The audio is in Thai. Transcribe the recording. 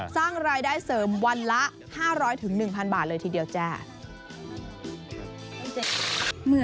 สร้างรายได้เสริมวันละ๕๐๐๑๐๐บาทเลยทีเดียวจ้า